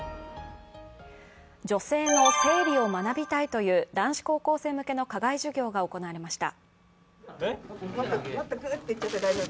女性の生理を学びたいという男子高校生向けの課外授業が行われました。